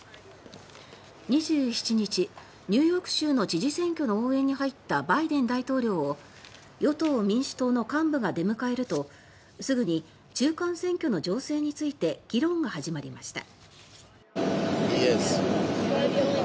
２７日ニューヨーク州の知事選挙の応援に入ったバイデン大統領を与党・民主党の幹部が出迎えるとすぐに中間選挙の情勢について議論が始まりました。